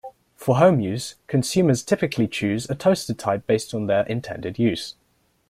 For home use, consumers typically choose a toaster type based on their intended use.